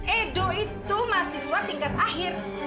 edo itu mahasiswa tingkat akhir